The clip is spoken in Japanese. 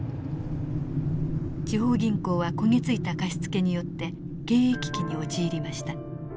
地方銀行は焦げ付いた貸し付けによって経営危機に陥りました。